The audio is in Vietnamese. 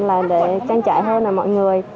là để trang trại hơn mọi người